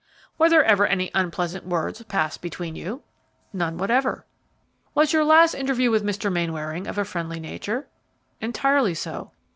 "Were there ever any unpleasant words passed between you?" "None whatever." "Was your last interview with Mr. Mainwaring of a friendly nature?" "Entirely so."